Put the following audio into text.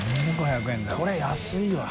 これ安いわ。